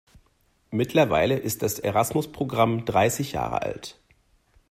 Mittlerweile ist das Erasmus-Programm dreißig Jahre alt.